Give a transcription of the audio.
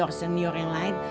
kalau handful an oke